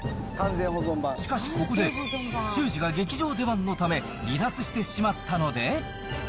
しかし、ここで修士が劇場出番のため、離脱してしまったので。